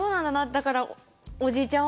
だからおじいちゃん